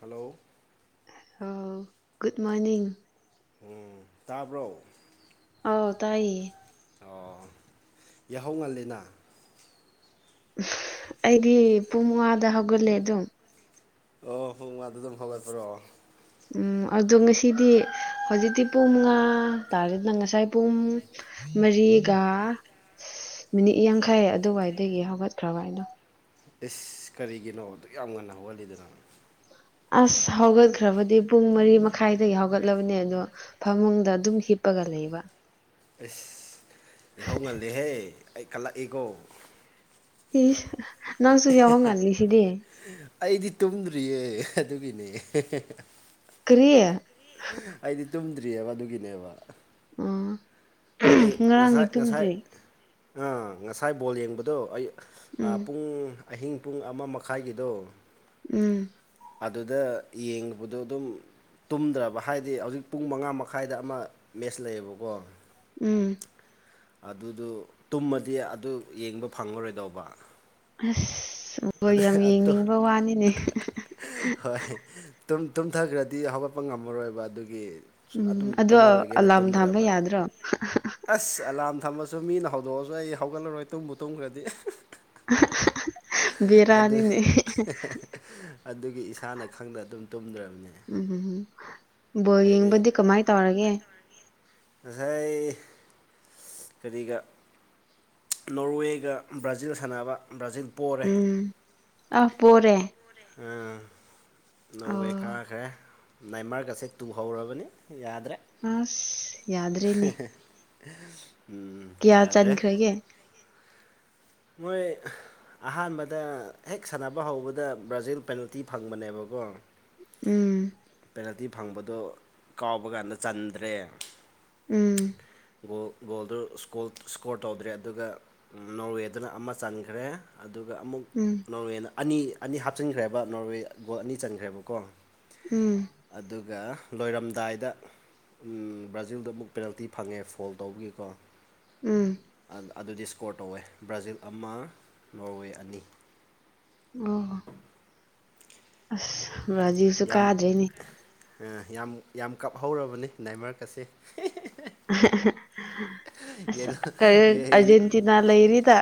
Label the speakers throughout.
Speaker 1: ꯍꯜꯂꯣꯑꯣ
Speaker 2: ꯑꯣꯑꯣ good morning
Speaker 1: ꯎꯪꯎꯪ ꯇꯥꯕ꯭ꯔꯣ
Speaker 2: ꯑꯥꯎ ꯇꯥꯏꯌꯦꯌꯦ
Speaker 1: ꯑꯣꯑꯣ ꯌꯥꯍꯧ ꯉꯜꯂꯤꯅ
Speaker 2: ꯑꯩꯗꯤ ꯄꯨꯡ ꯃꯉꯥꯗ ꯍꯧꯒꯠꯂꯦ ꯑꯗꯨꯝ
Speaker 1: ꯑꯣꯑꯣ ꯄꯨꯡ ꯃꯉꯥꯗꯗꯨꯝ ꯍꯧꯒꯠꯄꯔꯣ
Speaker 2: ꯎꯪ ꯑꯗꯨ ꯉꯁꯤꯗꯤ ꯍꯧꯖꯤꯛꯇꯤ ꯄꯨꯡꯃꯉꯥ ꯇꯥꯔꯦꯗꯅ ꯉꯁꯥꯏ ꯄꯨꯡ ꯃꯔꯤꯒꯥ ꯃꯤꯅꯤꯠ ꯌꯥꯡꯈꯩ ꯑꯗꯨꯋꯥꯏꯗꯒꯤ ꯍꯧꯒꯠꯈ꯭ꯔꯕ ꯑꯩꯗꯣ
Speaker 1: ꯏꯁ ꯀꯔꯤꯒꯤꯅꯣ ꯑꯗꯨꯛ ꯌꯥꯝ ꯉꯟꯅ ꯍꯧꯍꯜꯂꯤꯗꯨꯅ
Speaker 2: ꯑꯥꯁ ꯍꯧꯒꯠꯈ꯭ꯔꯕꯗꯤ ꯄꯨꯡ ꯃꯔꯤ ꯃꯈꯥꯏꯗꯒꯤ ꯍꯧꯒꯠꯂꯕꯅꯦ ꯑꯗꯣ ꯐꯃꯨꯡꯗ ꯑꯗꯨꯝ ꯍꯤꯞꯄꯒ ꯂꯩꯕ
Speaker 1: ꯑꯁ ꯌꯥꯍꯧ ꯉꯜꯂꯦꯍꯦ ꯑꯩ ꯀꯜꯂꯛꯏꯀꯣ
Speaker 2: ꯏꯁ ꯅꯪꯁꯨꯨ ꯌꯥꯍꯧꯉꯜꯂꯤꯁꯤꯗꯤ
Speaker 1: ꯑꯩꯗꯤ ꯇꯨꯝꯗ꯭ꯔꯤꯌꯦ ꯑꯗꯨꯒꯤꯅꯦ ꯑꯦꯍꯦ ꯍꯦ ꯬꯬
Speaker 2: ꯀꯔꯤ
Speaker 1: ꯑꯩꯗꯤ ꯇꯨꯝꯗ꯭ꯔꯤꯑꯕ ꯑꯗꯨꯒꯤꯅꯦꯕ
Speaker 2: ꯎꯝ
Speaker 1: ꯑꯩ
Speaker 2: ꯉꯔꯥꯡꯒꯤ
Speaker 1: ꯉꯁꯥꯏ ꯉꯁꯥꯏ
Speaker 2: ꯇꯨꯝꯗ꯭ꯔꯤ
Speaker 1: ꯑꯥꯑ ꯉꯁꯥꯏ ꯕꯣꯜ ꯌꯦꯡꯕꯗꯣ ꯑꯩ ꯑꯥ
Speaker 2: ꯎꯝ
Speaker 1: ꯄꯨꯡ ꯑꯍꯤꯡ ꯄꯨꯡ ꯑꯃ ꯃꯈꯥꯏꯒꯤꯗꯣ
Speaker 2: ꯎꯪ
Speaker 1: ꯑꯗꯨꯗ ꯌꯦꯡꯉꯨꯕꯗꯣ ꯗꯨꯝ ꯇꯨꯝꯗ꯭ꯔꯕ ꯍꯥꯏꯗꯤ ꯍꯧꯖꯤꯛ ꯄꯨꯡ ꯃꯉꯥ ꯃꯈꯥꯏꯗ ꯑꯃ ꯃꯦꯁ ꯂꯩꯌꯦꯕꯀꯣ
Speaker 2: ꯎꯝ
Speaker 1: ꯑꯗꯨꯗꯨ ꯇꯨꯝꯃꯗꯤ ꯑꯗꯨ ꯌꯦꯡꯕ ꯐꯪꯉꯔꯣꯏꯗꯧꯕ
Speaker 2: ꯑꯥꯁ
Speaker 1: ꯑꯗꯨ
Speaker 2: ꯕꯣꯜꯌꯥꯝ
Speaker 1: ꯑꯗꯨ
Speaker 2: ꯌꯦꯡꯅꯤꯡꯕ ꯋꯥꯅꯤꯅꯦ
Speaker 1: ꯍꯣꯏ ꯇꯨꯝꯃꯒ ꯇꯨꯝꯊꯈ꯭ꯔꯗꯤ ꯍꯧꯒꯠꯄ ꯉꯝꯃꯔꯣꯏꯕ ꯑꯗꯨꯒꯤ
Speaker 2: ꯎꯝ
Speaker 1: ꯑꯗꯨꯝ
Speaker 2: ꯑꯗꯣ
Speaker 1: ꯇꯨꯝꯃꯔꯣꯏꯒꯦꯅ
Speaker 2: ꯑꯂꯥꯝ ꯊꯝꯕ
Speaker 1: ꯇꯨꯝꯗ꯭ꯔꯕ
Speaker 2: ꯌꯥꯗ꯭ꯔꯣ
Speaker 1: ꯑꯥꯁ ꯑꯦꯂꯥꯔꯝ ꯊꯝꯃꯁꯨ ꯃꯤꯅ ꯍꯧꯗꯣꯛꯑꯖꯨ ꯑꯩ ꯍꯧꯒꯠꯂꯔꯣꯏ ꯇꯨꯝꯕꯨ ꯇꯨꯝꯈ꯭ꯔꯗꯤ ꯑꯗꯨ
Speaker 2: ꯕꯦꯔꯥꯅꯤꯅꯦ ꯢꯍꯤꯍꯦ
Speaker 1: ꯑꯗꯨꯒꯤ ꯏꯁꯥꯅ ꯈꯪꯅ ꯑꯗꯨꯝ ꯇꯨꯝꯗ꯭ꯔꯕꯅꯤ
Speaker 2: ꯎꯝ ꯎꯝ ꯕꯣꯜ ꯌꯦꯡꯕꯗꯤ ꯀꯃꯥꯏ ꯇꯧꯔꯒꯦ
Speaker 1: ꯉꯖꯥꯏ ꯀꯔꯤꯒ PII
Speaker 2: ꯎꯝ ꯑ ꯄꯣꯔꯦ
Speaker 1: ꯑꯥ ꯅꯣꯔꯋꯦ
Speaker 2: ꯑꯣ
Speaker 1: ꯀꯥꯈ꯭ꯔꯦ ꯅꯥꯏꯃꯔꯀꯁꯦ ꯇꯨꯍꯧꯔꯕꯅꯤ ꯌꯥꯗ꯭ꯔꯦ
Speaker 2: ꯑꯁ ꯌꯥꯗ꯭ꯔꯦꯅꯦ
Speaker 1: ꯎꯝ
Speaker 2: ꯀꯌꯥ
Speaker 1: ꯌꯥꯗ꯭ꯔꯦ
Speaker 2: ꯆꯟꯈ꯭ꯔꯒꯦ
Speaker 1: ꯃꯣꯏ ꯑꯍꯥꯟꯕꯗ ꯍꯦꯛ ꯁꯥꯟꯅꯕ ꯍꯧꯕꯗ ꯕ꯭ꯔꯥꯖꯤꯜ ꯄꯦꯅꯥꯜꯇꯤ ꯐꯪꯕꯅꯦꯕꯀꯣ
Speaker 2: ꯎꯝ
Speaker 1: ꯄꯦꯅꯥꯜꯇꯤ ꯐꯪꯕꯗꯣ ꯀꯥꯎꯕ ꯀꯥꯟꯗ ꯆꯟꯗ꯭ꯔꯦ
Speaker 2: ꯎꯝ
Speaker 1: ꯒꯣꯜ ꯒꯣꯜꯗꯨ ꯁ꯭ꯀꯣꯜ ꯁ꯭ꯀꯣꯔ ꯇꯧꯗ꯭ꯔꯦ ꯑꯗꯨꯒ ꯑꯝ ꯅꯣꯔꯋꯦꯗꯨꯅ ꯑꯃ ꯆꯟꯈ꯭ꯔꯦ ꯑꯗꯨꯒ ꯑꯃꯨꯛ
Speaker 2: ꯎꯝ
Speaker 1: ꯅꯣꯔꯋꯦꯅ ꯑꯅꯤ ꯑꯅꯤ ꯍꯥꯞꯆꯤꯟꯈ꯭ꯔꯦꯕ ꯅꯣꯔꯋꯦ ꯒꯣꯜ ꯑꯅꯤ ꯆꯟꯈ꯭ꯔꯦꯕꯀꯣ
Speaker 2: ꯎꯝ
Speaker 1: ꯑꯗꯨꯒ ꯂꯣꯏꯔꯝꯗꯥꯏꯗ ꯎꯝ ꯕ꯭ꯔꯥꯖꯤꯜꯗꯣ ꯑꯃꯨꯛ ꯄꯦꯅꯥꯜꯇꯤ ꯐꯪꯉꯦ ꯐꯣꯜ ꯇꯧꯕꯒꯤꯀꯣ
Speaker 2: ꯎꯝ
Speaker 1: ꯑꯗꯨꯗꯤ ꯁ꯭ꯀꯣꯔ ꯇꯧꯋꯦ ꯕ꯭ꯔꯥꯖꯤꯜ ꯑꯃ ꯅꯣꯔꯋꯦ ꯑꯅꯤ
Speaker 2: ꯑꯣ ꯑꯣ ꯑꯁ ꯕ꯭ꯔꯖꯤꯜ
Speaker 1: ꯌꯥꯝ ꯑ ꯌꯥꯝ ꯌꯥꯝ ꯀꯥꯞꯍꯧꯔꯕꯅꯤ ꯅꯥꯏꯃꯔꯀꯁꯦ
Speaker 2: ꯑꯁ ꯀꯩ ꯑꯔꯖꯦꯟꯇꯤꯅꯥ ꯂꯩꯔꯤꯗ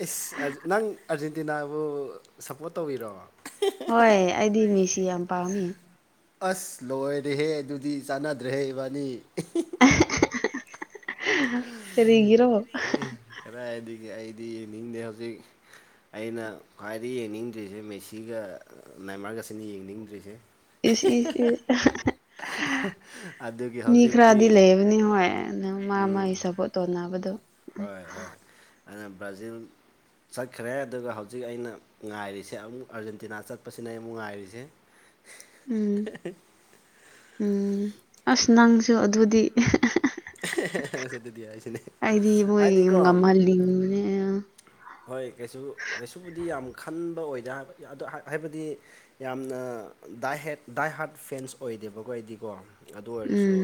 Speaker 1: ꯏꯁ ꯅꯪ ꯑꯥꯔꯖꯦꯟꯇꯤꯅꯥꯕꯨ ꯁꯄꯣꯔꯠ ꯇꯧꯔꯤꯔꯣ
Speaker 2: ꯍꯩ ꯑꯩꯗꯤ ꯃꯤꯁꯤ ꯌꯥꯝ ꯄꯥꯝꯃꯤ
Speaker 1: ꯑꯁ ꯂꯣꯏꯔꯦꯍꯦ ꯑꯗꯨꯗꯤ ꯆꯥꯟꯅꯗ꯭ꯔꯦꯍꯦ ꯏꯕꯥꯅꯤ
Speaker 2: [unintelligible] ꯀꯔꯤꯒꯤꯔꯣ
Speaker 1: [unintelligible] ꯀꯔꯥꯏꯗꯤ ꯑꯩꯗꯤ ꯌꯦꯡꯅꯤꯡꯗꯦ ꯍꯧꯖꯤꯛ ꯑꯩꯅ ꯈ꯭ꯋꯥꯏꯗꯒꯤ ꯌꯦꯡꯅꯤꯡꯗ꯭ꯔꯤꯁꯦ ꯃꯦꯁꯤꯒ ꯅꯥꯏꯃꯔꯒꯁꯤꯅꯦ ꯌꯦꯡꯅꯤꯡꯗ꯭ꯔꯤꯁꯦ
Speaker 2: ꯏꯁ ꯏꯁ ꯏꯁ
Speaker 1: ꯑꯗꯨꯒꯤ
Speaker 2: ꯃꯤ
Speaker 1: ꯍꯧꯖꯤꯛꯇꯤ
Speaker 2: ꯈꯔꯗꯤ ꯂꯩꯕꯅꯤ ꯍꯣꯏ ꯑꯗꯨ ꯃꯥ
Speaker 1: ꯎꯝ
Speaker 2: ꯃꯥꯒꯤ ꯁꯞꯄꯣꯔꯠ ꯇꯣꯅꯕꯗꯣ
Speaker 1: ꯍꯣꯏ ꯍꯣꯏ ꯑꯗꯨꯅ ꯕ꯭ꯔꯥꯖꯤꯜ ꯆꯠꯈ꯭ꯔꯦ ꯑꯗꯨꯒ ꯍꯧꯖꯤꯛ ꯑꯩꯅ ꯉꯥꯏꯔꯤꯁꯦ ꯑꯃꯨꯛ ꯑꯥꯔꯖꯦꯟꯇꯤꯅꯥ ꯆꯠꯄꯁꯤꯅ ꯑꯩ ꯑꯃꯨꯛ ꯉꯥꯏꯔꯤꯁꯦ [inaudible]
Speaker 2: ꯎꯝ ꯎꯝ ꯑꯁ ꯅꯪꯁꯨ ꯑꯗꯨꯗꯤ
Speaker 1: ꯑꯗꯨꯗꯤ ꯑꯩꯁꯨꯅꯦ
Speaker 2: ꯑꯩꯗꯤ ꯃꯣꯏ
Speaker 1: ꯍꯥꯏꯗꯤꯀꯣ
Speaker 2: ꯉꯝꯍꯜꯂꯤꯅꯦ
Speaker 1: ꯍꯣꯏ ꯀꯩꯁꯨ ꯀꯩꯁꯨꯕꯨꯗꯤ ꯌꯥꯝ ꯈꯟꯕ ꯑꯣꯏꯗ ꯑꯗꯨ ꯍꯥꯏꯕꯗꯤ ꯌꯥꯝꯅ ꯗꯥꯏ ꯍꯦꯟ ꯗꯥꯏ ꯍꯥꯔꯠ ꯐꯦꯟꯁꯨ ꯑꯣꯏꯗꯦꯕꯀꯣ ꯑꯩꯗꯤꯀꯣ ꯑꯗꯨ ꯑꯣꯏꯔꯁꯨ
Speaker 2: ꯎꯝ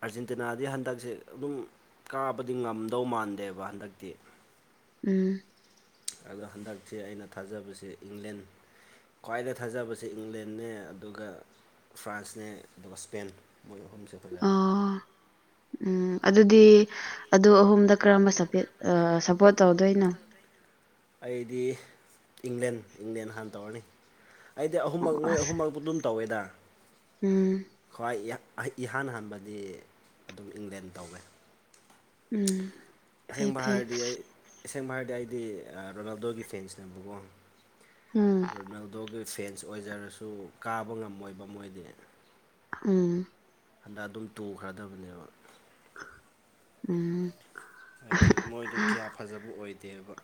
Speaker 1: ꯑꯥꯔꯖꯦꯟꯇꯤꯅꯥꯗꯤ ꯍꯟꯗꯛꯁꯦ ꯑꯗꯨꯝ ꯀꯥꯕꯗꯤ ꯉꯝꯗꯧ ꯃꯥꯟꯗꯦꯕ ꯍꯟꯗꯛꯇꯤ
Speaker 2: ꯎꯝ
Speaker 1: ꯑꯗꯣ ꯍꯟꯗꯛꯁꯦ ꯑꯩꯅ ꯊꯥꯖꯕꯁꯦ ꯏꯪꯂꯦꯟ ꯈ꯭ꯋꯥꯏꯗꯩ ꯊꯥꯖꯕꯁꯦ ꯏꯪꯂꯦꯟꯅꯦ ꯑꯗꯨꯒ ꯐ꯭ꯔꯥꯟꯁꯅꯦ ꯑꯗꯨꯒ ꯁ꯭ꯄꯦꯟ ꯃꯣꯏ ꯑꯍꯨꯝꯁꯦ ꯐꯖꯔꯅꯤ
Speaker 2: ꯑꯣ ꯎꯝ ꯑꯗꯨꯗꯤ ꯑꯗꯨ ꯑꯍꯨꯝꯗ ꯀꯔꯝꯕ ꯁꯄꯦꯠ ꯁꯞꯄꯣꯔꯠ ꯇꯧꯗꯣꯏꯅꯣ
Speaker 1: ꯑꯩꯗꯤ ꯏꯪꯂꯦꯟ ꯏꯪꯂꯦꯟ ꯍꯥꯟꯅ ꯇꯧꯔꯅꯤ ꯑꯩꯗꯤ
Speaker 2: ꯑꯣ
Speaker 1: ꯑꯍꯨꯝꯃꯛ ꯃꯣꯏ
Speaker 2: ꯑꯁ
Speaker 1: ꯑꯍꯨꯝꯃꯛꯇꯨ ꯑꯗꯨꯝ ꯇꯧꯋꯦꯗ
Speaker 2: ꯎꯝ
Speaker 1: ꯈ꯭ꯋꯥꯏ ꯏꯍꯥꯟ ꯍꯥꯟꯕꯗꯤ ꯑꯗꯨꯝ ꯏꯪꯂꯦꯟ ꯇꯧꯋꯦ
Speaker 2: ꯎꯝ ꯐꯩ
Speaker 1: ꯑꯁꯦꯡꯕ
Speaker 2: ꯐꯩ
Speaker 1: ꯍꯥꯏꯔꯗꯤ ꯑꯩ ꯑꯁꯦꯡꯕ ꯍꯥꯏꯔꯗꯤ ꯑꯩꯗꯤ ꯔꯣꯅꯥꯜꯗꯣꯒꯤ ꯐꯦꯟꯁꯅꯦꯕꯀꯣ
Speaker 2: ꯎꯝ
Speaker 1: ꯔꯣꯅꯥꯜꯗꯣꯒꯤ ꯐꯦꯟꯁ ꯑꯣꯏꯖꯔꯁꯨ ꯀꯥꯕ ꯉꯝꯃꯣꯏꯕ ꯃꯣꯏꯗꯤ
Speaker 2: ꯎꯝ
Speaker 1: ꯍꯟꯗꯛ ꯑꯗꯨꯝ ꯇꯨꯈ꯭ꯔꯗꯕꯅꯦꯕ
Speaker 2: ꯎꯝ
Speaker 1: ꯍꯥꯏꯗꯤ ꯃꯣꯏꯗꯨ ꯀꯌꯥ ꯐꯖꯕ ꯑꯣꯏꯗꯦꯕ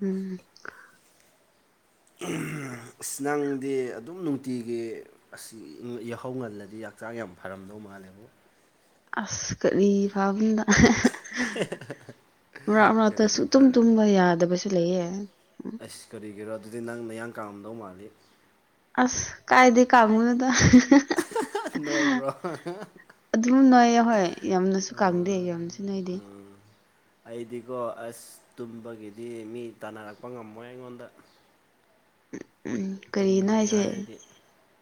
Speaker 2: ꯎꯝ
Speaker 1: ꯏꯁ ꯅꯪꯗꯤ ꯑꯗꯨꯝ ꯅꯨꯡꯇꯤꯒꯤ ꯑꯁ ꯌꯥꯍꯧ ꯉꯜꯂꯗꯤ ꯍꯛꯆꯥꯡ ꯌꯥꯝ ꯐꯔꯝꯗꯧ ꯃꯥꯜꯂꯦꯕꯨ
Speaker 2: ꯑꯁ ꯀꯔꯤ ꯐꯕꯗ ꯃꯔꯥꯛ ꯃꯔꯥꯛꯇ ꯁꯨ
Speaker 1: ꯀꯔꯤꯒꯤ
Speaker 2: ꯇꯨꯝ
Speaker 1: ꯐꯔꯦ
Speaker 2: ꯇꯨꯝꯕ ꯌꯥꯗꯕꯁꯨ ꯂꯩꯌꯦ
Speaker 1: ꯑꯁ ꯀꯔꯤꯒꯤꯔ ꯑꯗꯨꯗꯤ ꯅꯪ ꯅꯌꯥꯡ ꯀꯪꯉꯝꯗꯧ ꯃꯥꯜꯂꯤ
Speaker 2: ꯑꯁ ꯀꯥꯏꯗꯩ ꯀꯪꯕꯅꯣꯗ
Speaker 1: ꯅꯣꯏꯕ꯭ꯔꯣ
Speaker 2: ꯑꯗꯨꯝ ꯅꯣꯏꯌꯦ ꯑꯍꯣꯏ ꯌꯥꯝꯅꯁꯨ ꯀꯪꯗꯦ ꯌꯥꯝꯅꯁꯨ ꯅꯣꯏꯗꯦ
Speaker 1: ꯑꯩꯗꯤꯀꯣ ꯑꯁ ꯇꯨꯝꯕꯒꯤꯗꯤ ꯃꯤ ꯇꯥꯟꯅꯔꯛꯄ ꯉꯝꯃꯣꯏ ꯑꯩꯉꯣꯟꯗ
Speaker 2: ꯎꯝ ꯀꯔꯤꯅꯣ
Speaker 1: ꯇꯨꯝꯕꯒꯤ
Speaker 2: ꯍꯥꯏꯁꯦ
Speaker 1: ꯍꯥꯏꯔꯗꯤ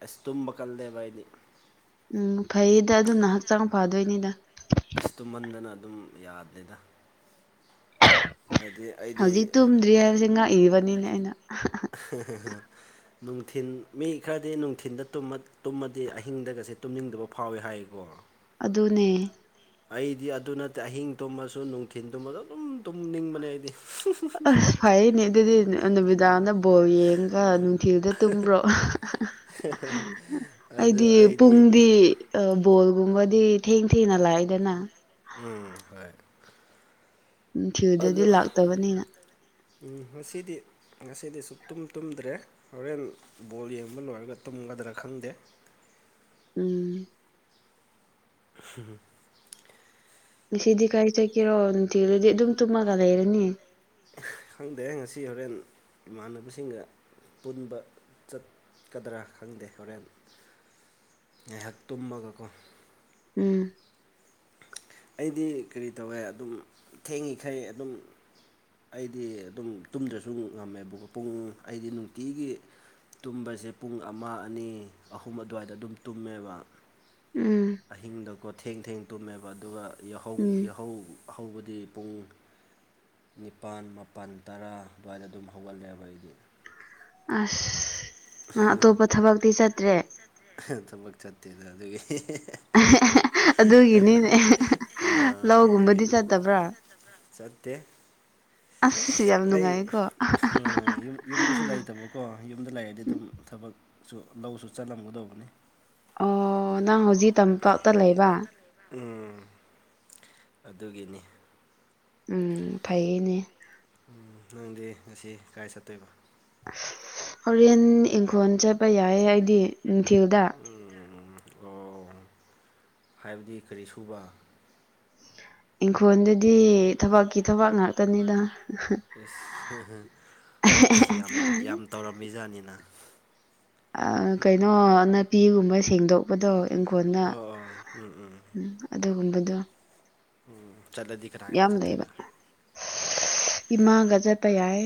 Speaker 1: ꯑꯁ ꯇꯨꯝꯕ ꯀꯜꯂꯦꯕ ꯑꯩꯗꯤ
Speaker 2: ꯎꯝ ꯐꯩꯌꯦꯗ ꯑꯗꯨꯅ ꯍꯛꯆꯥꯡ ꯐꯗꯣꯏꯅꯤꯗ
Speaker 1: ꯑꯁ ꯇꯨꯃꯟꯗꯅ ꯑꯗꯨꯝ ꯌꯥꯗꯦꯗ ꯍꯥꯏꯗꯤ
Speaker 2: ꯍꯧꯖꯤꯛ
Speaker 1: ꯑꯩꯗꯤ
Speaker 2: ꯇꯨꯝꯗ꯭ꯔꯤ ꯍꯥꯏꯕꯁꯦ ꯉꯛꯏꯕꯅꯤꯅꯦ ꯑꯩꯅ
Speaker 1: ꯅꯨꯡꯊꯤꯟ ꯃꯤ ꯈꯔꯗꯤ ꯅꯨꯡꯊꯤꯟꯗ ꯇꯨꯝꯃꯠ ꯇꯨꯝꯃꯗꯤ ꯑꯍꯤꯡꯗꯒꯁꯦ ꯇꯨꯝꯅꯤꯡꯗꯕ ꯐꯥꯎꯏ ꯍꯥꯏꯌꯦꯀꯣ
Speaker 2: ꯑꯗꯨꯅꯦ
Speaker 1: ꯑꯩꯗꯤ ꯑꯗꯨ ꯅꯠꯇꯦ ꯑꯍꯤꯡ ꯇꯨꯝꯃꯁꯨ ꯅꯨꯡꯊꯤꯟ ꯇꯨꯝꯃꯁꯨ ꯑꯗꯨꯝ ꯇꯨꯝꯅꯤꯡꯕꯅꯦ ꯑꯩꯗꯤ
Speaker 2: ꯑ ꯐꯩꯌꯦꯅꯦ ꯑꯗꯨꯗꯤ ꯅꯨꯃꯤꯗꯥꯡꯗ ꯕꯣꯜ ꯌꯦꯡꯉꯒ ꯅꯨꯡ ꯊꯤꯜꯗ ꯇꯨꯝꯕ꯭ꯔꯣ ꯑꯩꯗꯤ ꯄꯨꯡꯗꯤ ꯕꯣꯜꯒꯨꯝꯕꯗꯤ ꯊꯦꯡ ꯊꯦꯡꯅ ꯂꯥꯛꯏꯗꯅ
Speaker 1: ꯎꯝ ꯍꯣꯏ
Speaker 2: ꯅꯨꯡꯊꯤꯜꯗꯗꯤ
Speaker 1: ꯑꯗꯨ
Speaker 2: ꯂꯥꯛꯇꯕꯅꯤꯅ
Speaker 1: ꯎꯝ ꯉꯁꯤꯗꯤ ꯉꯁꯤꯗꯤ ꯁꯨꯛ ꯇꯨꯝ ꯇꯨꯝꯗ꯭ꯔꯦ ꯍꯣꯔꯦꯟ ꯕꯣꯜ ꯌꯦꯡꯕ ꯂꯣꯏꯔꯒ ꯇꯨꯝꯒꯗ꯭ꯔꯥ ꯈꯪꯗꯦ
Speaker 2: ꯎꯝ
Speaker 1: ꯍꯨꯝ
Speaker 2: ꯉꯁꯤꯗꯤ ꯀꯥꯏ ꯆꯠꯀꯦꯔꯣ ꯅꯨꯡꯊꯤꯜꯗꯗꯤ ꯑꯗꯨꯝ ꯇꯝꯃꯒ ꯂꯩꯔꯅꯤ
Speaker 1: ꯈꯪꯗꯦ ꯉꯁꯤ ꯍꯣꯔꯦꯟ ꯏꯃꯥꯟꯅꯕꯁꯤꯡꯒ ꯄꯨꯟꯕ ꯆꯠꯀꯗ꯭ꯔꯥ ꯈꯪꯗꯦ ꯍꯣꯔꯦꯟ ꯉꯥꯏꯍꯥꯛ ꯇꯨꯝꯃꯒꯀꯣ
Speaker 2: ꯎꯝ
Speaker 1: ꯑꯩꯗꯤ ꯀꯔꯤ ꯇꯧꯋꯦ ꯑꯗꯨꯝ ꯊꯦꯡꯉꯤꯈꯩ ꯑꯗꯨꯝ ꯑꯩꯗꯤ ꯑꯗꯨꯝ ꯇꯨꯝꯗ꯭ꯔꯁꯨ ꯉꯝꯃꯦꯕ ꯄꯨꯡ ꯑꯩꯗꯤ ꯅꯨꯡꯇꯤꯒꯤ ꯇꯨꯝꯕꯁꯦ ꯄꯨꯡ ꯑꯃ ꯑꯅꯤ ꯑꯍꯨꯝ ꯑꯗꯨꯋꯥꯏꯗ ꯑꯗꯨꯝ ꯇꯨꯝꯃꯦꯕ
Speaker 2: ꯎꯝ
Speaker 1: ꯑꯍꯤꯡꯗꯀꯣ ꯊꯦꯡ ꯊꯦꯡ ꯇꯨꯝꯃꯦꯕ ꯑꯗꯨꯒ ꯌꯥꯍꯧ
Speaker 2: ꯎꯝ
Speaker 1: ꯌꯥꯍꯧ ꯍꯧꯕꯗꯤ ꯄꯨꯡ ꯅꯤꯄꯥꯜ ꯃꯥꯄꯜ ꯇꯔꯥ ꯑꯗꯨꯋꯥꯏꯗ ꯑꯗꯨꯝ ꯍꯧꯒꯠꯂꯦꯕ ꯑꯩꯗꯤ
Speaker 2: ꯑꯁ ꯅꯪ ꯑꯇꯣꯞꯄ ꯊꯕꯛꯇꯤ ꯆꯠꯇ꯭ꯔꯦ
Speaker 1: ꯊꯕꯛ ꯆꯠꯇꯦꯗ ꯑꯗꯨꯒꯤ
Speaker 2: ꯑꯗꯨꯒꯤꯅꯤꯅꯦ ꯂꯧꯒꯨꯝꯕꯗꯤ
Speaker 1: ꯑꯗꯨꯒꯤꯅꯤ
Speaker 2: ꯆꯠꯇꯕ꯭ꯔꯥ
Speaker 1: ꯆꯠꯇꯦ
Speaker 2: ꯑꯁ ꯌꯥꯝ
Speaker 1: ꯑꯩ
Speaker 2: ꯅꯨꯡꯉꯥꯏꯀꯣ
Speaker 1: ꯐ ꯌꯨꯝ ꯌꯨꯝꯗꯁꯨ ꯂꯩꯇꯕꯀꯣ ꯌꯨꯝꯗ ꯂꯩꯔꯗꯤ ꯑꯗꯨꯝ ꯊꯕꯛ ꯁꯨ ꯂꯧꯁꯨ ꯆꯠꯂꯝꯒꯗꯧꯕꯅꯤ
Speaker 2: ꯑꯣ ꯅꯪ ꯍꯧꯖꯤꯛ ꯇꯝꯄꯥꯛꯇ ꯂꯩꯕ
Speaker 1: ꯎꯝ ꯑꯗꯨꯒꯤꯅꯤ
Speaker 2: ꯎꯝ ꯐꯩꯑꯦꯅꯦ
Speaker 1: ꯎ ꯅꯪꯗꯤ ꯉꯁꯤ ꯀꯥꯏ ꯆꯠꯇꯣꯏꯕ
Speaker 2: ꯍꯣꯔꯦꯟ ꯏꯪꯈꯣꯜ ꯆꯠꯄ ꯌꯥꯏꯑꯦ ꯑꯩꯗꯤ ꯅꯨꯡꯊꯤꯜꯗ
Speaker 1: ꯎ ꯑꯣ ꯍꯥꯏꯕꯗꯤ ꯀꯔꯤ ꯁꯨꯕ
Speaker 2: ꯏꯪꯈꯣꯜꯗꯗꯤ ꯊꯕꯛꯀꯤ ꯊꯕꯛ ꯉꯥꯛꯇꯅꯤꯗ
Speaker 1: ꯁ ꯑꯁ ꯌꯥꯝ ꯌꯥꯝ ꯇꯧꯔꯝꯃꯤꯖꯥꯠꯅꯤꯅ
Speaker 2: ꯑ ꯀꯩꯅꯣ ꯅꯥꯄꯤꯒꯨꯝꯕ ꯁꯦꯡꯗꯣꯛꯄꯗꯣ ꯏꯪꯈꯣꯜꯅ
Speaker 1: ꯑꯣ ꯑꯣ ꯎꯝ
Speaker 2: ꯎꯝ ꯑꯗꯨꯒꯨꯝꯕꯗꯣ
Speaker 1: ꯎꯝ ꯆꯠꯂꯗꯤ ꯀꯅꯥ ꯀꯅꯥ
Speaker 2: ꯌꯥꯝ ꯂꯩꯕ
Speaker 1: ꯆꯠꯇꯣꯏꯕ
Speaker 2: ꯏꯃꯥꯒ ꯆꯠꯄ ꯌꯥꯏ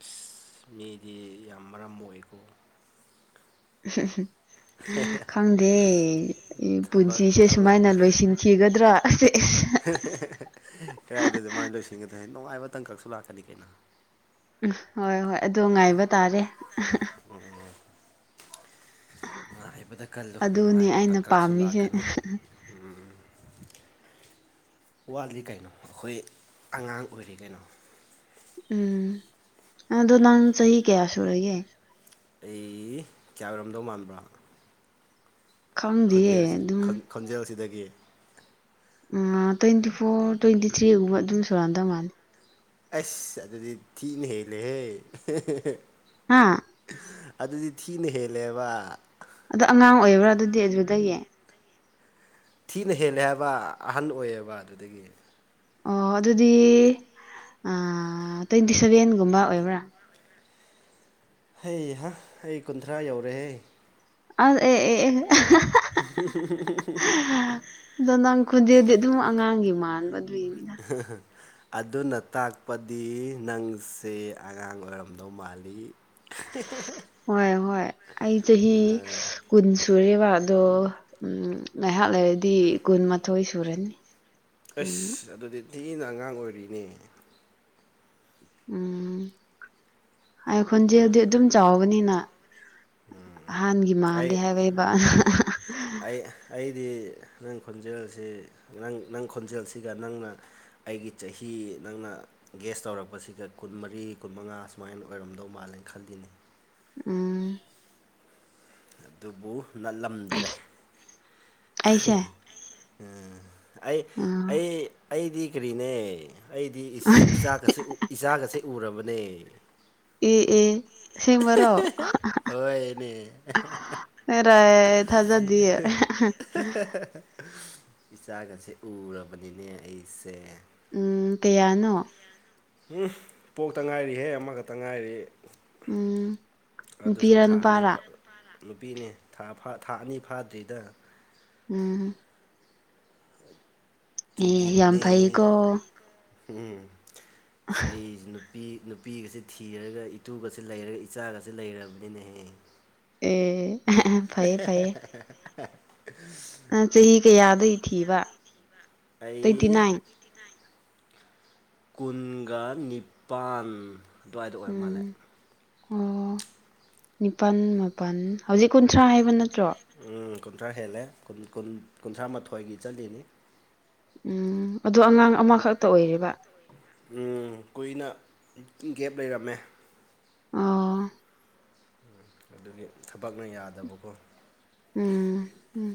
Speaker 1: ꯑꯁ ꯃꯤꯗꯤ ꯌꯥꯝ ꯃꯔꯝ ꯃꯣꯛꯏꯀꯣ
Speaker 2: ꯎ ꯈꯪꯗꯦ ꯑꯩ
Speaker 1: ꯊꯕꯛ
Speaker 2: ꯄꯨꯟꯁꯤꯁꯦ
Speaker 1: ꯊꯕꯛ
Speaker 2: ꯁꯨꯃꯥꯏꯅ ꯂꯣꯏꯁꯤꯟꯈꯤꯒꯗ꯭ꯔꯥ
Speaker 1: ꯀꯗꯥꯥꯏꯗ ꯑꯗꯨꯃꯥꯏꯅ ꯂꯣꯏꯁꯤꯟꯒꯗꯣꯏ ꯍꯥꯏ ꯅꯨꯡꯉꯥꯏꯕ ꯇꯪꯀꯛꯁꯨ ꯂꯥꯛꯀꯅꯤ ꯀꯩꯅꯣ
Speaker 2: ꯎꯝ ꯍꯣꯏ ꯍꯣꯏ ꯑꯗꯨ ꯉꯥꯏꯕ ꯇꯥꯔꯦ
Speaker 1: [unintelligible] ꯉꯥꯏꯕꯗ ꯀꯜꯂꯨ
Speaker 2: ꯑꯗꯨꯅꯤ
Speaker 1: ꯅꯨꯡꯉꯥꯏꯕ
Speaker 2: ꯑꯩꯅ
Speaker 1: ꯇꯥꯡꯀꯛꯁꯨ
Speaker 2: ꯄꯥꯝꯃꯤꯁꯦ
Speaker 1: ꯂꯥꯛꯀꯅꯤ ꯋꯥꯠꯂꯤ ꯀꯩꯅꯣ ꯑꯩꯈꯣꯏ ꯑꯉꯥꯡ ꯑꯣꯏꯔꯤ ꯀꯩꯅꯣ
Speaker 2: ꯎꯝ ꯑꯗꯨ ꯅꯪ ꯆꯍꯤ ꯀꯌꯥꯁꯨꯔꯒꯦ
Speaker 1: ꯑꯩ ꯀꯌꯥ ꯑꯣꯏꯔꯝꯗꯧ ꯃꯥꯟꯕ꯭ꯔꯥ
Speaker 2: ꯈꯪꯗꯦꯌꯦ
Speaker 1: ꯈꯖꯦꯜꯁꯤ
Speaker 2: ꯑꯗꯨꯝ
Speaker 1: ꯈꯣꯟꯖꯦꯜꯁꯤꯗꯒꯤ
Speaker 2: ꯎꯝ ꯇ꯭ꯋꯦꯟꯇꯤ ꯐꯣꯔ ꯇ꯭ꯋꯦꯟꯇꯤ ꯊ꯭ꯔꯤꯒꯨꯝꯕ ꯑꯗꯨꯝ ꯁꯨꯔꯥꯟꯗꯧ ꯃꯥꯜꯅꯤ
Speaker 1: ꯑꯁ ꯑꯗꯨꯗꯤ ꯊꯤꯅ ꯍꯦꯜꯂꯦꯍꯦ
Speaker 2: ꯍꯥꯥ
Speaker 1: ꯑꯗꯨꯗꯤ ꯊꯤꯅ ꯍꯦꯜꯂꯦꯕ
Speaker 2: ꯑꯗꯣ ꯑꯉꯥꯡ ꯑꯣꯏꯕ꯭ꯔꯥ ꯑꯗꯨꯗꯤ ꯑꯗꯨꯗꯒꯤ
Speaker 1: ꯊꯤꯅ ꯍꯦꯜꯂꯦ ꯍꯥꯏꯕ ꯑꯍꯟ ꯑꯣꯏꯌꯦꯕ ꯑꯗꯨꯗꯒꯤ
Speaker 2: ꯑꯣ ꯑꯗꯨꯗꯤ ꯑꯇ꯭ꯋꯦꯟꯇꯤ ꯁꯚꯦꯟꯒꯨꯝꯕ ꯑꯣꯏꯕ꯭ꯔꯥ
Speaker 1: ꯍꯩꯍ ꯑꯩ ꯀꯨꯟꯊ꯭ꯔꯥ ꯌꯧꯔꯦꯍꯦ
Speaker 2: ꯑ ꯑꯦ ꯑꯦ ꯑꯦ
Speaker 1: [inaudible]
Speaker 2: ꯑꯗꯨ ꯅꯪ ꯈꯣꯟꯖꯦꯜꯗꯤ ꯑꯗꯨꯝ ꯑꯉꯥꯡꯒꯤ ꯃꯥꯟꯕ ꯑꯗꯨꯏꯅꯤꯗ
Speaker 1: [inaudible] ꯑꯗꯨꯅ ꯇꯥꯛꯄꯗꯤ ꯅꯪꯁꯤ ꯑꯉꯥꯡ ꯑꯣꯏꯔꯝꯗꯧ ꯃꯥꯜꯂꯤ [inaudible]
Speaker 2: ꯍꯣꯏ ꯍꯣꯏ ꯑꯩ ꯆꯍꯤ ꯀꯨꯟ ꯁꯨꯔꯦꯕ ꯑꯗꯣ ꯎꯝ ꯉꯥꯏꯍꯥꯛ ꯂꯩꯔꯗꯤ ꯀꯨꯟꯃꯥꯊꯣꯏ ꯁꯨꯔꯅꯤ ꯎꯝ
Speaker 1: ꯑꯁ ꯑꯗꯨꯗꯤ ꯊꯤꯅ ꯑꯉꯥꯡ ꯑꯣꯏꯔꯤꯅꯦ
Speaker 2: ꯎꯝ ꯑꯩ ꯈꯣꯟꯖꯦꯜꯗꯤ ꯑꯗꯨꯝ ꯆꯥꯎꯕꯅꯤꯅ ꯑꯍꯟꯒꯤ ꯃꯥꯜꯂꯤ
Speaker 1: ꯑꯩ
Speaker 2: ꯍꯥꯏꯕꯩꯕ
Speaker 1: ꯑꯩ ꯑꯩꯗꯤ ꯅꯪ ꯈꯣꯟꯖꯦꯜꯁꯤ ꯅꯪ ꯅꯪ ꯈꯣꯟꯖꯦꯜꯁꯤꯒ ꯅꯪꯅ ꯑꯩꯒꯤ ꯆꯍꯤ ꯅꯪꯅ ꯒꯦꯁ ꯇꯧꯔꯛꯄꯁꯤꯗ ꯀꯨꯟꯃꯔꯤ ꯀꯨꯟꯃꯉꯥ ꯁꯨꯃꯥꯏꯅ ꯑꯣꯏꯔꯝꯗꯧ ꯃꯥꯜꯂꯦ ꯈꯟꯜꯂꯤꯅꯦ
Speaker 2: ꯎꯝ
Speaker 1: ꯑꯗꯨꯕꯨ ꯅꯠꯂꯝꯗ꯭ꯔꯦ
Speaker 2: ꯑꯩꯁꯦ
Speaker 1: ꯎꯝ ꯑꯩ
Speaker 2: ꯎꯝ
Speaker 1: ꯑꯩ ꯑꯩꯗꯤ ꯀꯔꯤꯅꯦ ꯑꯩꯗꯤ ꯏꯁ ꯏꯆꯥꯒꯁꯦ ꯏꯆꯥꯒꯁꯦ ꯎꯔꯕꯅꯦ
Speaker 2: ꯑꯦ ꯑꯦ ꯑꯁꯦꯡꯕꯔꯣ
Speaker 1: ꯍꯣꯏꯅꯦ
Speaker 2: [unintelligible] ꯊꯥꯖꯗꯤꯌꯦ
Speaker 1: ꯏꯆꯥꯒꯁꯦ ꯎꯔꯕꯅꯤꯅꯦ ꯑꯩꯁꯦ
Speaker 2: ꯎꯝ ꯀꯌꯥꯅꯣ
Speaker 1: ꯎꯝ ꯄꯣꯛꯇ ꯉꯥꯏꯔꯤꯍꯦ ꯑꯃꯈꯛꯇ ꯉꯥꯏꯔꯤ
Speaker 2: ꯎꯝ
Speaker 1: ꯑꯗꯨꯁꯨ
Speaker 2: ꯅꯨꯄꯤꯔ
Speaker 1: ꯊꯥ ꯑꯅꯤ
Speaker 2: ꯅꯨꯄꯥꯔ
Speaker 1: ꯅꯨꯄꯤꯅꯦ ꯊꯥ ꯐꯥ ꯊꯥ ꯑꯅꯤ ꯐꯥꯗ꯭ꯔꯤꯗ
Speaker 2: ꯎꯝ
Speaker 1: [inaudible]
Speaker 2: ꯑꯦ ꯌꯥꯝ
Speaker 1: ꯑꯗꯨꯒꯤꯅꯦ
Speaker 2: ꯐꯩꯀꯣ
Speaker 1: ꯎꯝ [unintelligible] ꯅꯨꯄꯤ ꯅꯨꯄꯤꯒꯁꯦ ꯊꯤꯔꯒ ꯏꯇꯨꯒꯁꯦ ꯂꯩꯔꯒ ꯏꯆꯥꯒꯁꯦ ꯂꯩꯔꯕꯅꯤꯅ ꯍꯦ
Speaker 2: ꯑꯦ
Speaker 1: [unintelligible]
Speaker 2: ꯐꯩꯌꯦ ꯐꯩꯌꯦ ꯅꯪ ꯆꯍꯤ ꯀꯌꯥꯗꯒꯤ ꯊꯤꯕ
Speaker 1: [unintelligible] [unintelligible]
Speaker 2: ꯇ꯭ꯋꯦꯟꯇꯤ
Speaker 1: ꯑꯩ
Speaker 2: ꯅꯥꯏꯟ
Speaker 1: ꯀꯨꯟꯒ ꯅꯤꯄꯥꯟ ꯑꯗꯨꯋꯥꯏꯗ ꯑꯣꯏꯔ
Speaker 2: ꯎꯝ
Speaker 1: ꯃꯥꯜꯂꯦ
Speaker 2: ꯑꯣ ꯅꯤꯄꯥꯟ ꯃꯥ ꯃꯥꯄꯟ ꯍꯧꯖꯤꯛ ꯀꯨꯟꯊ꯭ꯔꯥ ꯍꯥꯏꯕ ꯅꯠꯇ꯭ꯔꯣ
Speaker 1: ꯎꯝ ꯀꯨꯟꯊ꯭ꯔꯥ ꯍꯦꯜꯂꯦ ꯀꯨꯟ ꯀꯨꯟꯊ꯭ꯔꯥ ꯃꯥꯊꯣꯏꯒꯤ ꯆꯠꯂꯤꯅꯤ
Speaker 2: ꯎꯝ ꯑꯗꯨ ꯑꯉꯥꯡ ꯑꯃꯈꯛꯇ ꯑꯣꯏꯔꯤꯕ
Speaker 1: ꯎꯝ ꯀꯨꯏꯅ ꯒꯦꯞ ꯂꯩꯔꯝꯃꯦ
Speaker 2: ꯑꯣ
Speaker 1: ꯑꯗꯨꯒꯤ ꯊꯕꯛꯅ ꯌꯥꯗꯕꯀꯣ
Speaker 2: ꯎꯝ ꯎꯝ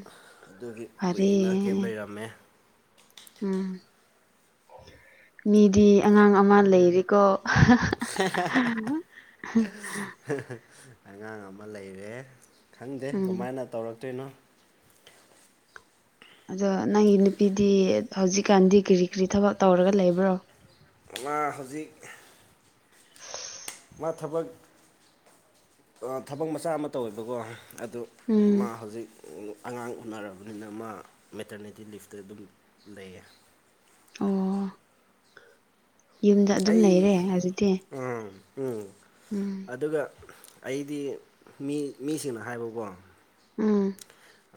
Speaker 1: ꯑꯗꯨꯒꯤ
Speaker 2: ꯐꯔꯦ
Speaker 1: ꯀꯨꯏꯅ ꯒꯦꯞ ꯂꯩꯔꯝꯃꯦ
Speaker 2: ꯎꯝ ꯃꯤꯗꯤ ꯑꯉꯥꯡ ꯑꯃ ꯂꯩꯔꯦꯀꯣ
Speaker 1: ꯑꯉꯥꯡ ꯑꯃ ꯂꯩꯔꯦ ꯈꯪꯗꯦ
Speaker 2: ꯎꯝ
Speaker 1: ꯀꯃꯥꯏꯅ ꯇꯧꯔꯛꯇꯣꯏꯅꯣ
Speaker 2: ꯑꯗꯣ ꯅꯪꯒꯤ ꯅꯨꯄꯤꯗꯤ ꯍꯧꯖꯤꯛꯀꯥꯟꯗꯤ ꯀꯔꯤ ꯀꯔꯤ ꯊꯕꯛ ꯇꯧꯔꯒ ꯂꯩꯕ꯭ꯔꯣ
Speaker 1: ꯃꯥ ꯍꯧꯖꯤꯛ ꯃꯥ ꯊꯕꯛ ꯑꯥ ꯊꯕꯛ ꯃꯆꯥ ꯑꯃꯥ ꯇꯧꯋꯦꯕꯀꯣ ꯑꯗꯨ ꯃꯥ
Speaker 2: ꯎꯝ
Speaker 1: ꯍꯧꯖꯤꯛ ꯑꯉꯥꯡ ꯎꯅꯔꯕꯅꯤꯅ ꯃꯥ ꯃꯦꯇꯔꯅꯤꯇꯤ ꯂꯤꯞꯇ ꯑꯗꯨꯝ ꯂꯩꯌꯦ
Speaker 2: ꯑꯣ ꯌꯨꯝꯗ ꯑꯗꯨꯝ ꯂꯩꯔꯦ ꯍꯖꯤꯛꯇꯤ
Speaker 1: ꯑꯥ ꯎꯝ
Speaker 2: ꯎꯝ
Speaker 1: ꯑꯗꯨꯒ ꯑꯩꯗꯤ ꯃꯤ ꯃꯤꯁꯤꯡꯅ ꯍꯥꯏꯕꯀꯣ
Speaker 2: ꯎꯝ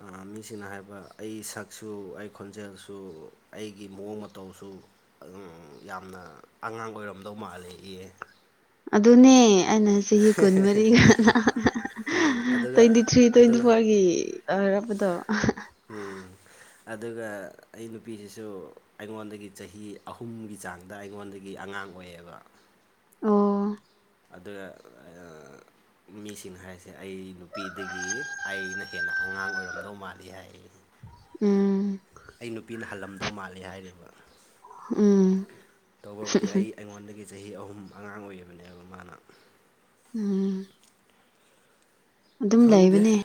Speaker 1: ꯑꯥ ꯃꯤꯁꯤꯡꯅ ꯍꯥꯏꯕ ꯑꯩ ꯁꯛꯁꯨ ꯑꯩ ꯈꯣꯟꯖꯦꯜꯁꯨ ꯑꯩꯒꯤ ꯃꯑꯣꯡ ꯃꯇꯧꯁꯨ ꯑꯗꯨꯝ ꯌꯥꯝꯅ ꯑꯉꯥꯡ ꯑꯣꯏꯔꯝꯗꯧ ꯃꯥꯜꯂꯦ ꯏꯌꯦ
Speaker 2: ꯑꯗꯨꯅꯦ ꯑꯩꯅ ꯆꯍꯤ ꯀꯨꯟꯃꯔꯤ
Speaker 1: ꯎꯝ
Speaker 2: [unintelligible]
Speaker 1: ꯑꯗꯨꯒ
Speaker 2: ꯇ꯭ꯋꯦꯟꯇꯤ ꯊ꯭ꯔꯤ ꯇ꯭ꯋꯦꯟꯇꯤ
Speaker 1: ꯑꯗꯨꯒ
Speaker 2: ꯐꯣꯔꯒꯤ ꯑꯣꯏꯔꯕꯗꯣ
Speaker 1: ꯎꯝ ꯑꯗꯨꯒ ꯑꯩ ꯅꯨꯄꯤꯁꯤꯁꯨ ꯑꯩꯉꯣꯟꯗꯒꯤ ꯆꯍꯤ ꯑꯍꯨꯝꯒꯤ ꯆꯥꯡ ꯗꯥ ꯑꯩꯉꯣꯟꯗꯒꯤ ꯑꯉꯥꯡ ꯑꯣꯏꯌꯦꯕ
Speaker 2: ꯑꯣ
Speaker 1: ꯑꯗꯨꯅ ꯑꯥ ꯃꯤꯁꯤꯡ ꯍꯥꯏꯔꯤꯁꯦ ꯑꯩ ꯅꯨꯄꯤꯗꯒꯤ ꯑꯩꯅ ꯍꯦꯟꯅ ꯑꯉꯥꯡ ꯑꯣꯏꯔꯝꯗꯧ ꯃꯥꯜꯂꯤ ꯍꯥꯏ
Speaker 2: ꯎꯝ
Speaker 1: ꯑꯩ ꯅꯨꯄꯤꯅ ꯍꯜꯂꯝꯗꯧ ꯃꯥꯜꯂꯤ ꯍꯥꯏꯔꯤꯕ
Speaker 2: ꯎꯝ
Speaker 1: ꯇꯧꯕꯕꯨꯗꯤ ꯑꯩ ꯑꯩꯉꯣꯟꯗꯒꯤ ꯆꯍꯤ ꯑꯍꯨꯝ ꯑꯉꯥꯡ ꯑꯣꯏꯔꯤꯕꯅꯦꯕ ꯃꯥꯅ
Speaker 2: ꯎꯝ ꯑꯗꯨꯝ
Speaker 1: ꯈꯪꯗꯦ
Speaker 2: ꯂꯩꯕꯅꯦ